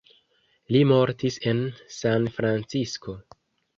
Li mortis en Sanfrancisko.